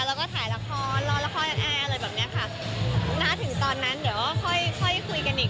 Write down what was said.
แล้วก็ถ่ายละครลองละครอะไรแบบนี้ค่ะ